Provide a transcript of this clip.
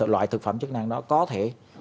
loại thực phẩm chức năng đó có thể